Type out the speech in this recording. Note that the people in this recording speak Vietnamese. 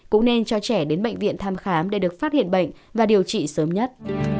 cũng nên cho trẻ đến bệnh viện thăm khám để được phát hiện bệnh và điều trị sớm nhất